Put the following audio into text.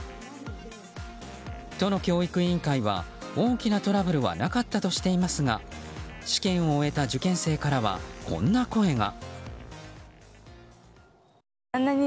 都の教育委員会は大きなトラブルはなかったとしていますが試験を終えた受験生からはこんな声が。